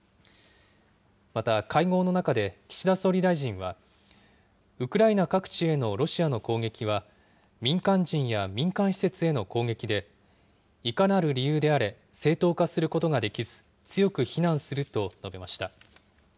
また会合の中で、岸田総理大臣は、ウクライナ各地へのロシアの攻撃は、民間人や民間施設への攻撃で、いかなる理由であれ、正当化することができず、強く非難すると述べました。